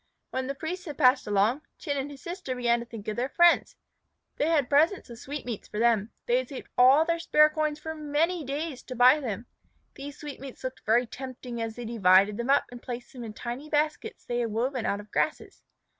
When the priests had passed along, Chin and his sister began to think of their friends. They had presents of sweetmeats for them. They had saved all their spare coins for many days to buy them. These sweetmeats looked very tempting as they divided them up and placed them in tiny baskets they had woven out of grasses.